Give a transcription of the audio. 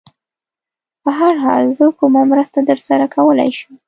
په هر حال، زه کومه مرسته در سره کولای شم؟